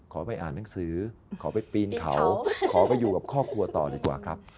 ขอไปอ่านหนังสือขอไปปีนเขาขอไปอยู่กับครอบครัวต่อดีกว่าครับ